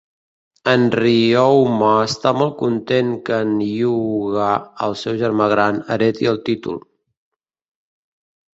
En Ryouma està molt content que en Hyuuga, el seu germà gran, hereti el títol.